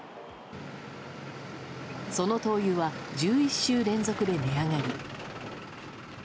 その灯油は１１週連続で値上がり。